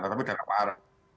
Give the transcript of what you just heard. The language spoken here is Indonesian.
tapi dalam hal